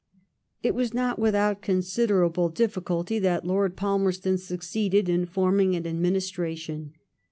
16a It was not without considerable difficulty that Lord Palmerston succeeded in forming an administration.